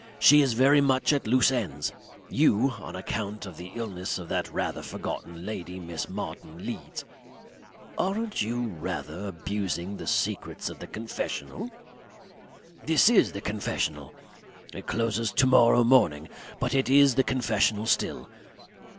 She is very much at loose ends. You on account of the illness of that rather forgotten lady, Miss Martin Leeds " "Aren't you rather abusing the secrets of the confessional?" "This IS the confessional. It closes to morrow morning but it is the confessional still.